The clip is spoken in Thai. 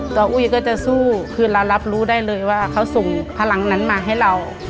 อุ้ยก็จะสู้คือเรารับรู้ได้เลยว่าเขาส่งพลังนั้นมาให้เรา